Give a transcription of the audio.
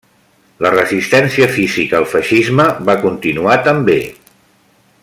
La resistència física al feixisme va continuar també.